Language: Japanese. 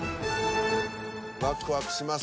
ワクワクします